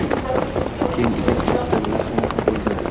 Keyin etak ketdi laxta-laxta boʻldi